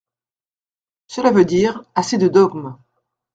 Cela veut dire : Assez de dogmes.